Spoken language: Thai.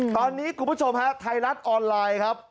ตอนนี้คุณผู้ชมฮะไทยรัฐออนไลน์ครับ